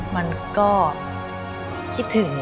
มันก็คิดถึงว่ามันเพิ่งผ่านปีใหม่มา